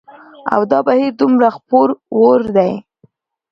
او دا بهير دومره خپور وور دى